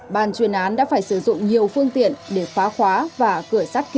bàn chuyên án đã phải sử dụng nhiều phương tiện để phá khóa và cửa sát